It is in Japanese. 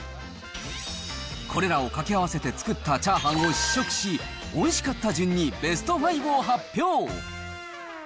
これらを掛け合わせて作ったチャーハンを試食し、おいしかった順にベスト５を発表。